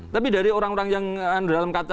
tapi dari orang orang yang dalam kata kata